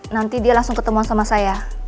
nanti dia langsung ketemuan sama saya